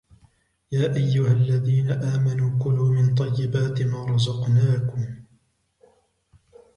يَأَيُّهَا الَّذِينَ آمَنُوا كُلُوا مِنْ طَيِّبَاتِ مَا رَزَقْنَاكُمْ